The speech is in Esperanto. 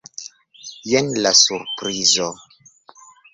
Jen la surprizo.